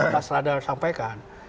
pas radar sampaikan